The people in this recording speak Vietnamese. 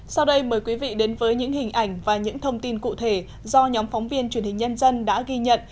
sau đây mời quý vị đến với những hình ảnh và những thông tin cụ thể do nhóm phóng viên truyền hình nhân dân đã ghi nhận